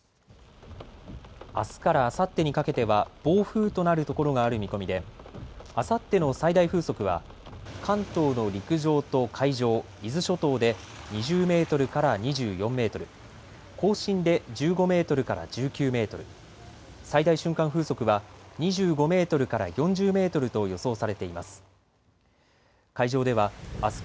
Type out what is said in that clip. あすからあさってにかけては暴風となるところがある見込みであさっての最大風速は関東の陸上と海上、伊豆諸島で２０メートルから２４メートル、甲信で１５メートルから１９メートル、最大瞬間風速は２５メートルから４０メートルと予想されています。